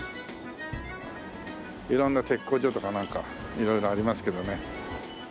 色んな鉄工所とかなんか色々ありますけどね。